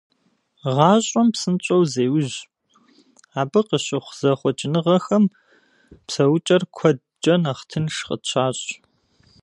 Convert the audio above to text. Гъащӏэм псынщӏэу зеужь, абы къыщыхъу зэхъуэкӏыныгъэщӏэхэм псэукӏэр куэдкӏэ нэхъ тынш къытщащӏ.